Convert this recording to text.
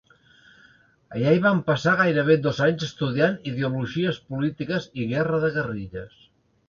Allà hi van passar gairebé dos anys estudiant ideologies polítiques i guerra de guerrilles.